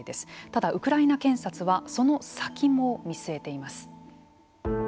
ただ、ウクライナ検察はその先も見据えています。